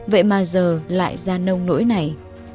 vậy mà giờ lại ra nông nỗi này